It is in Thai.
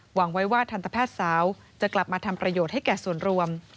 หวังไว้ว่าทันตแพทย์สาวจะกลับมาทำประโยชน์ให้แก่ส่วนรวม